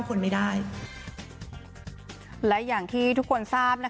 ก็คือไม่มีชื่อน้องอยู่ในการแข่งขันอีกต่อไปค่ะ